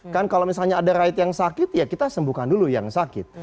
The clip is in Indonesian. kan kalau misalnya ada raid yang sakit ya kita sembuhkan dulu yang sakit